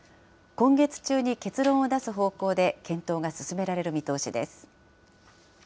今月中に結論を出す方向で検討が進められる見通しです。